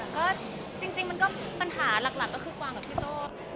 ก็จริงมันก็ปัญหาหลักก็คือกวางกับพี่โจ้